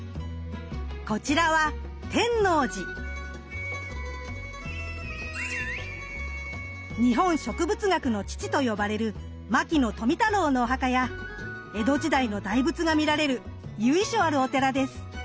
こちらは日本植物学の父と呼ばれる牧野富太郎のお墓や江戸時代の大仏が見られる由緒あるお寺です。